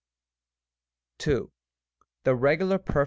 2. The regular Perf.